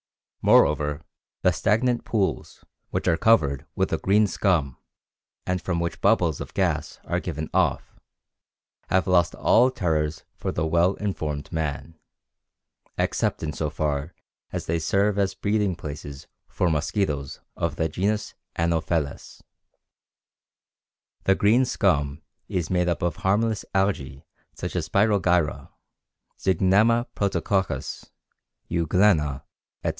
Moreover, the stagnant pools, which are covered with a "green scum" and from which bubbles of gas are given off, have lost all terrors for the well informed man, except in so far as they serve as breeding places for mosquitoes of the genus Anopheles. The green scum is made up of harmless algæ such as Spirogyra, Zygnema Protococcus, Euglena, etc.